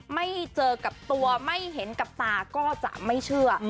ไม่เจอกับตัวไม่เห็นกับตาก็จะไม่เชื่อ